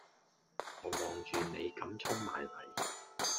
我望住你咁衝埋嚟